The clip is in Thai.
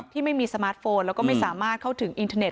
ที่ไม่มีสมาร์ทโฟนแล้วก็ไม่สามารถเข้าถึงอินเทอร์เน็